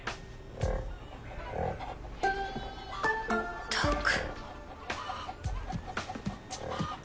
ったく。